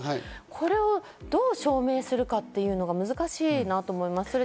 これをどう証明するかというのが難しいなと思います。